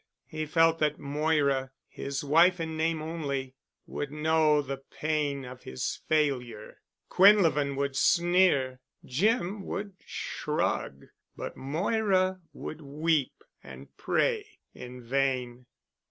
He felt that Moira, his wife in name only, would know the pain of his failure. Quinlevin would sneer, Jim would shrug, but Moira would weep and pray—in vain.